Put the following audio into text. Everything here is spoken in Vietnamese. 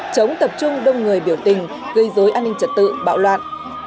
chống tập trung đông người biểu tình gây dối an ninh trật tự bạo loạn